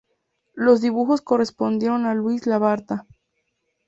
Los dibujos correspondieron a Luis Labarta.